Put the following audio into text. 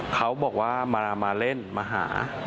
เขาบอกว่ามาเล่นมาหา